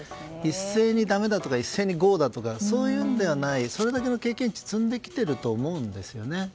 一斉にだめだとか一斉にゴーとかそういうのではなくそれだけの経験値を積んできてると思うんですよね。